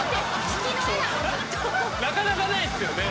なかなかないっすよね。